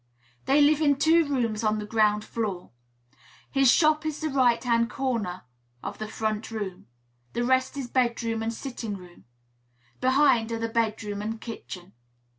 They live in two rooms, on the ground floor. His shop is the right hand corner of the front room; the rest is bedroom and sitting room; behind are the bedroom and kitchen.